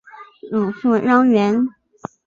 祖父张员。